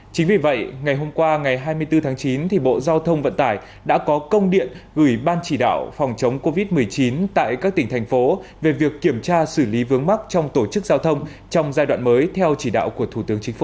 chính vì vậy ngày hôm qua ngày hai mươi bốn tháng chín bộ giao thông vận tải đã có công điện gửi ban chỉ đạo phòng chống covid một mươi chín tại các tỉnh thành phố về việc kiểm tra xử lý vướng mắc trong tổ chức giao thông trong giai đoạn mới theo chỉ đạo của thủ tướng chính phủ